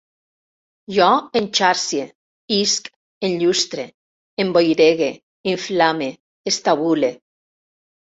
Jo enxarcie, isc, enllustre, emboiregue, inflame, estabule